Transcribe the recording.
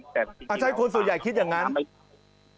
อาจจะให้คนสุดใหญ่คิดอย่างนั้น